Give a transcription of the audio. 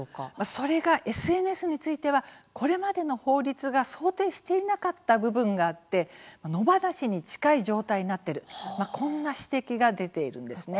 それがＳＮＳについてはこれまでの法律が想定していなかった部分があって野放しに近い状態になっているこんな指摘が出ているんですね。